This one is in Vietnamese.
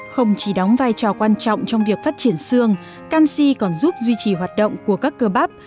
không chỉ đóng vai trò quan trọng trong việc phát triển xương canxi còn giúp duy trì hoạt động của các cơ bắp